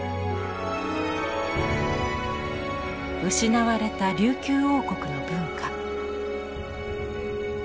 失われた琉球王国の文化。